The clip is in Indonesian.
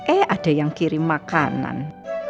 eh ada yang kirim makanan